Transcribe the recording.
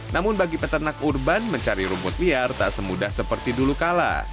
namun bagi peternak urban mencari rumput liar tak semudah seperti dulu kala